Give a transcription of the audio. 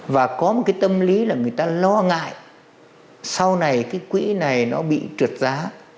và có một cái tâm lý là người ta lo ngại sau này cái quỹ này nó bị trượt giá